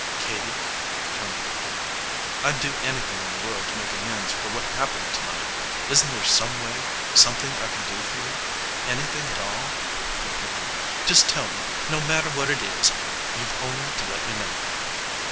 "Katie," turning to her, "I'd do anything in the world to make amends for what happened to night. Isn't there some way something I can do for you? Anything at all," he pleaded. "Just tell me no matter what it is you've only to let me know."